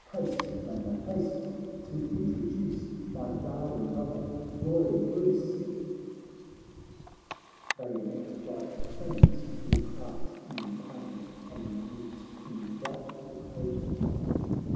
— Haste, Mona, haste, to introduce My darling brother, royal Bruce !"— XXIII They met like friends who part in pain, And meet in doubtful hope again.